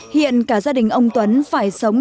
hiện cả gia đình ông tuấn phải sống